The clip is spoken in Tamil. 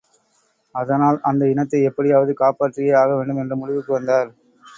அதனால் அந்த இனத்தை எப்படியாவது காப்பாற்றியே ஆக வேண்டும் என்ற முடிவுக்கு வந்தார்.